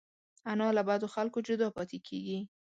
انا له بدو خلکو جدا پاتې کېږي